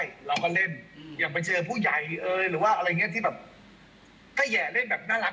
อยากไปเจอผู้ใหญ่หรือว่าอะไรอย่างนี้ที่แบบ